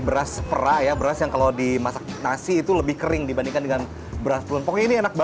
beras perah ya beras yang kalau dimasak nasi itu lebih kering dibandingkan dengan beras pun pokoknya